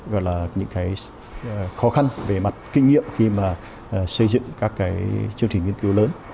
gọi là những cái khó khăn về mặt kinh nghiệm khi mà xây dựng các cái chương trình nghiên cứu lớn